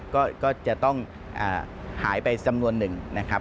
ก็จะต้องหายไปจำนวนหนึ่งนะครับ